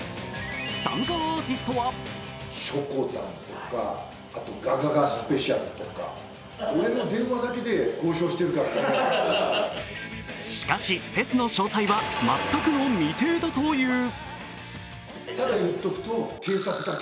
参加アーティストはしかし、フェスの詳細は全くの未定だという。